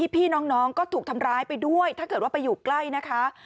พี่น้องก็ถูกทำร้ายไปด้วยถ้าเกิดว่าไปอยู่ใกล้นะคะ